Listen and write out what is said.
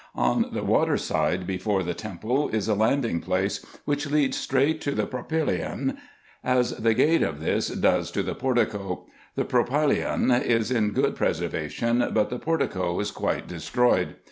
On the water side, before the temple, is a landing place, which leads straight to the propylason, as the gate of this does to the portico. The propyla?on is in good preservation, but the portico is quite destroyed.